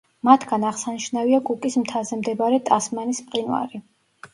მათგან აღსანიშნავია კუკის მთაზე მდებარე ტასმანის მყინვარი.